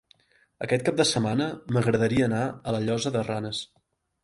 Aquest cap de setmana m'agradaria anar a la Llosa de Ranes.